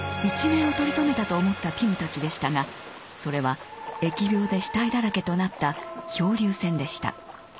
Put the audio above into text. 一命を取り留めたと思ったピムたちでしたがそれは疫病で死体だらけとなった漂流船でした。